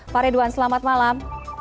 pak ridwan selamat malam